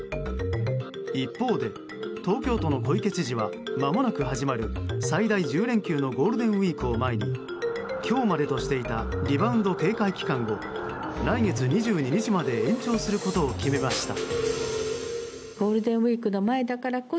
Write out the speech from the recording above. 一方で、東京都の小池知事はまもなく始まる最大１０連休のゴールデンウィークを前に今日までとしていたリバウンド警戒期間を来月２２日まで延長することを決めました。